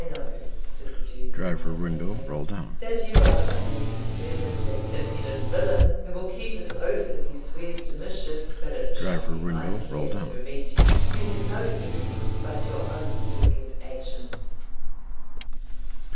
"I know," said the Duke, in rising anger, "that you are a determined and impudent villain, who will keep his oath if he swears to mischief; but it shall be my care to prevent you. You have no enemies but your own wicked actions."